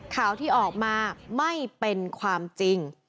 ข่าวที่ออกมาไม่เป็นความจริง